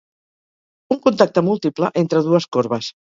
Un contacte múltiple entre dues corbes.